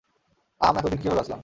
আম এতদিন কীভাবে বাঁচলাম?